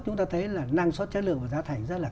chúng ta thấy là năng suất chất lượng và giá thành rất là cao